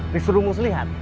disuruh kang muslihat